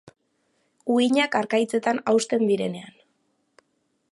Uhinak harkaitzetan hausten direnean.